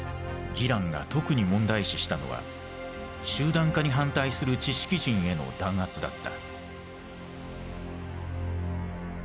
ギランが特に問題視したのは集団化に反対する知識人への弾圧だった。